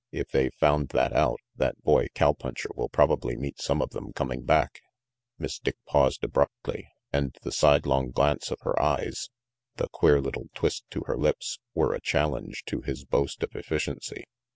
If they've found that out, that boy cow puncher will probably meet some of them coming back " Miss Dick paused abruptly, and the sidelong glance of her eyes, the queer little twist to her lips, were a challenge to his boast of efficiency.